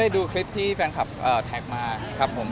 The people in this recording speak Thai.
ดูคลิปที่แฟนคลับแท็กมาครับผม